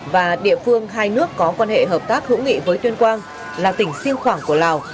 và địa phương hai nước có quan hệ hợp tác hữu nghị với tuyên quang là tỉnh siêng khoảng của lào